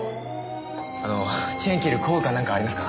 あのチェーン切る工具かなんかありますか？